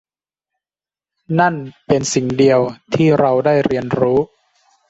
นั่นเป็นสิ่งเดียวที่เราได้เรียนรู้